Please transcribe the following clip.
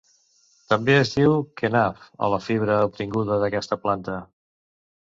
També es diu kenaf a la fibra obtinguda d'aquesta planta.